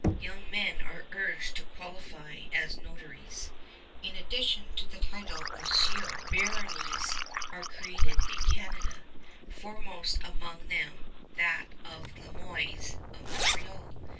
Young men are urged to qualify as notaries. In addition to the title of "Sieur," baronies are created in Canada, foremost among them that of the Le Moynes of Montreal.